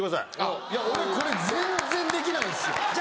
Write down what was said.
いや俺これ全然できないんすよ。